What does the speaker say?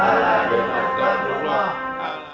al yudin memperkenalkan rumah